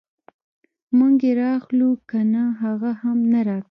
موږ یې راواخلو کنه هغه هم نه راکوي.